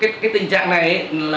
cái tình trạng này